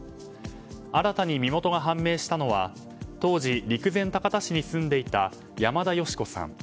新たに身元が判明したのは当時、陸前高田市に住んでいた山田ヨシ子さん